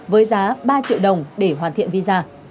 với giá ba triệu đồng để hoàn thiện visa